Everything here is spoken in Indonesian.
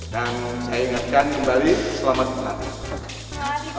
dan saya ingatkan kembali selamat malam